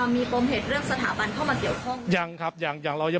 มีปมเหตุเรื่องสถาบันเข้ามาเกี่ยวข้องยังครับ